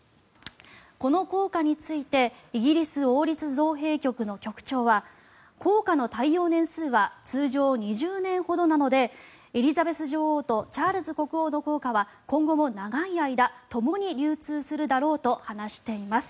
この硬貨についてイギリス王立造幣局の局長は硬貨の耐用年数は通常２０年ほどなのでエリザベス女王とチャールズ国王の硬貨は今後も長い間、ともに流通するだろうと話しています。